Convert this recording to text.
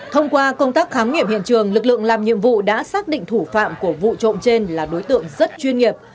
thông qua công tác khám nghiệm hiện trường lực lượng làm nhiệm vụ đã xác định thủ phạm của vụ trộm trên là đối tượng rất chuyên nghiệp